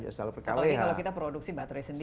apalagi kalau kita produksi baterai sendiri